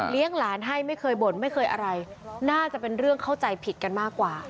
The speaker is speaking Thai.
หลานให้ไม่เคยบ่นไม่เคยอะไรน่าจะเป็นเรื่องเข้าใจผิดกันมากกว่า